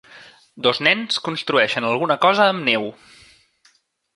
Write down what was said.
Dos nens construeixen alguna cosa amb neu.